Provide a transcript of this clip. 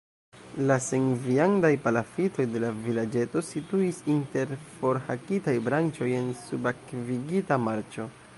La senviandaj palafitoj de la vilaĝeto situis inter forhakitaj branĉoj en subakvigita marĉo.